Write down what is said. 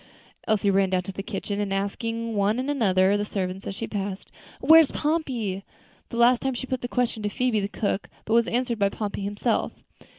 Elsie ran down to the kitchen, asking of one and another of the servants as she passed, "Where's Pompey?" The last time she put the question to Phoebe, the cook, but was answered by Pompey himself.